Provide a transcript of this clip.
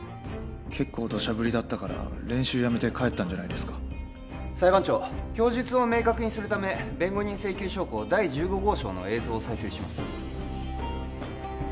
結構土砂降りだったから練習やめて帰ったんじゃないですか裁判長供述を明確にするため弁護人請求証拠第十五号証の映像を再生します